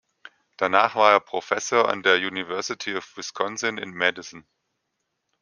Danach war er Professor an der University of Wisconsin in Madison.